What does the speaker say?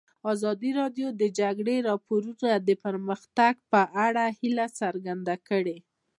ازادي راډیو د د جګړې راپورونه د پرمختګ په اړه هیله څرګنده کړې.